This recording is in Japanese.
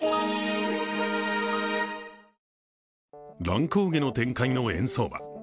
乱高下の展開の円相場。